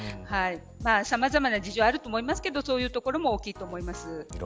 さまざまな事情はあると思いますがそういうところも大きいと思います。